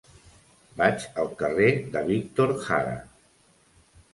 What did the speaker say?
Vaig al carrer de Víctor Jara.